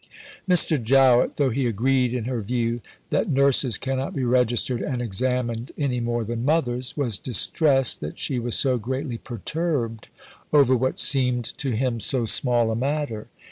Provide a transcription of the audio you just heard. Mr. Jowett, though he agreed in her view "that nurses cannot be registered and examined any more than mothers," was distressed that she was so greatly perturbed over what seemed to him so small a matter.